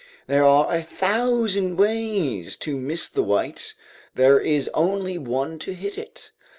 There are a thousand ways to miss the white, there is only one to hit it.